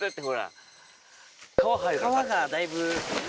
川がだいぶ。